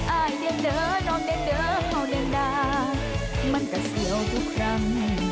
อายเดินเด้อนองเดินเด้อเขาเดินดางมันกระเซียวทุกครั้ง